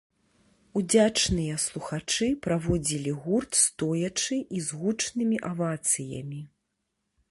Удзячныя слухачы праводзілі гурт стоячы і з гучнымі авацыямі.